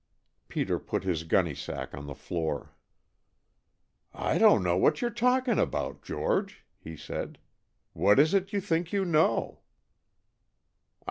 Peter put his gunny sack on the floor. "I don't know what you 're talking about, George," he said. "What is it you think you know?"